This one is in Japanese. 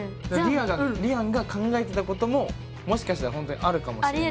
りあんが考えてたことももしかしたら本当にあるかもしれないし。